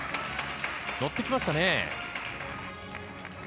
乗ってきましたね。